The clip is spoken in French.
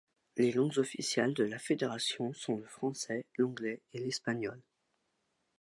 Les langues officielles de la Fédération sont le Français, l'Anglais et l'Espagnol.